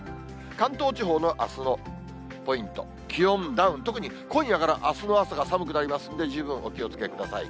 関東地方のあすのポイント、気温ダウン、特に今夜からあすの朝が寒くなりますんで、十分お気をつけください。